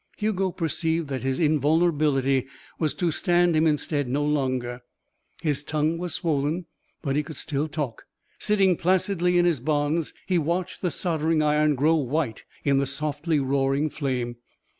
Hugo perceived that his invulnerability was to stand him in stead no longer. His tongue was swollen, but he could still talk. Sitting placidly in his bonds, he watched the soldering iron grow white in the softly roaring flame.